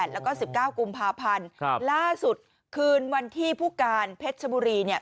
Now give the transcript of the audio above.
แล้วก็๑๙กุมภาพันธ์ล่าสุดคืนวันที่ผู้การเพชรชบุรีเนี่ย